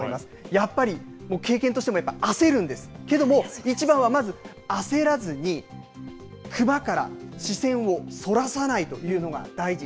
やっぱり経験としても、やっぱ焦るんです、けども、一番はまず、焦らずに、クマから視線をそらさないというのが大事。